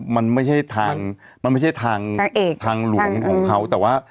มันไม่ใช่ทางมันไม่ใช่ทางทางหลวงของเขาแต่ว่า